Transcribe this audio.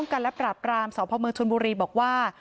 ป้องกันและปรับกราบสาวพ่อเมืองชุนบูรีบอกว่า